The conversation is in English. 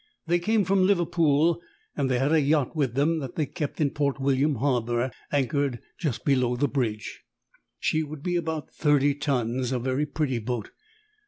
They came from Liverpool and they had a yacht with them, that they kept in Port William harbour, anchored just below the bridge. She would be about thirty tons a very pretty boat.